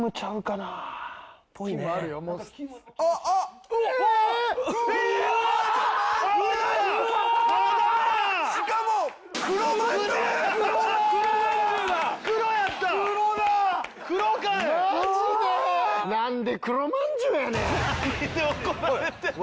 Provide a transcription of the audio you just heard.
なんで黒まんじゅうやねん！